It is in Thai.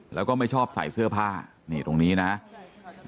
แล้วก็ไม่ชอบใส่เสื้อผ้านี่ตรงนี้นะครับ